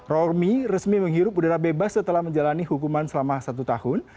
rormi resmi menghirup udara bebas setelah menjalani hukuman selama satu tahun